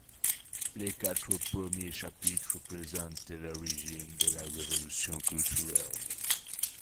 Les quatre premiers chapitres présentent l'origine de la Révolution culturelle.